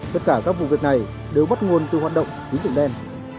tất cả các vụ việc này đều bắt nguồn từ hoạt động tín dụng đen